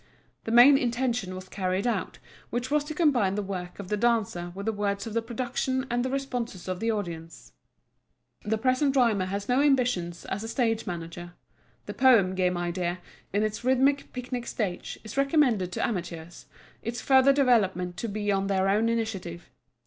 The main intention was carried out, which was to combine the work of the dancer with the words of the production and the responses of the audience. The present rhymer has no ambitions as a stage manager. The Poem Game idea, in its rhythmic picnic stage, is recommended to amateurs, its further development to be on their own initiative.